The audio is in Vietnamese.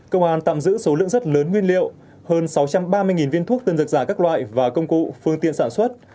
công an tạm giữ số lượng rất lớn nguyên liệu hơn sáu trăm ba mươi viên thuốc tân dược giả các loại và công cụ phương tiện sản xuất